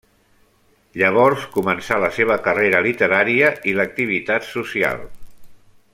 Llavors començà la seva carrera literària i l'activitat social.